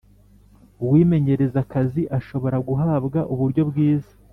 Uwimenyereza akazi ashobora guhabwa uburyo bwiza